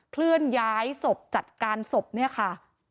เคลื่อนย้ายศพจัดการศพเนี่ยค่ะ